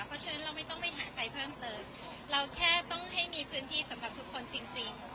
เพราะฉะนั้นเราไม่ต้องไปหาใครเพิ่มเติมเราแค่ต้องให้มีพื้นที่สำหรับทุกคนจริงจริง